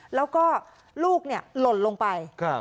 แล้วก็ลูกหล่นลงไป